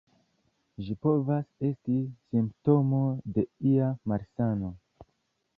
Ĝi povas esti simptomo de ia malsano.